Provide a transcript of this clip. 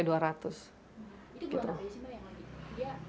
itu dua ratus sih yang lagi